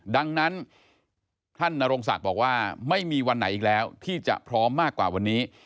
ดังนั้นท่านนโรงศักดิ์บอกว่าไม่มีวันไหนอีกแล้วที่จะพร้อมมากกว่าวันนี้